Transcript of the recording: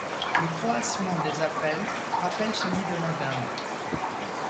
Le croassement des appels rappelle celui de la dinde.